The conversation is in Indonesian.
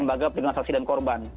lembaga penganasasi dan korban